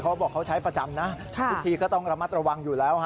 เขาบอกเขาใช้ประจำนะทุกทีก็ต้องระมัดระวังอยู่แล้ว